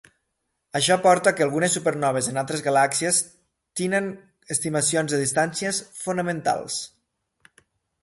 Això porta que algunes supernoves en altres galàxies tenen estimacions de distàncies fonamentals.